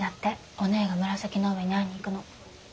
おねぇが紫の上に会いに行くの。